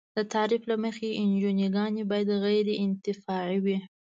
د تعریف له مخې انجوګانې باید غیر انتفاعي وي.